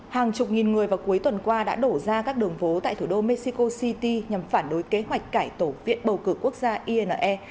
hàng chục nghìn người vào cuối tuần qua đã đổ ra các đường phố tại thủ đô mexico city nhằm phản đối kế hoạch cải tổ viện bầu cử quốc gia ine